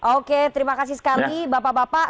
oke terima kasih sekali bapak bapak